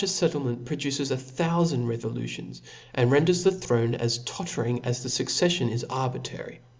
fettlement produces a thoufand revolutions, and renders the throne as tottering as the fucceflion is arbitrary.